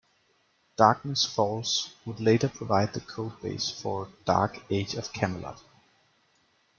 "Darkness Falls" would later provide the codebase for "Dark Age of Camelot".